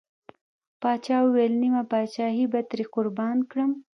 پاچا وويل: نيمه پاچاهي به ترې قربان کړم.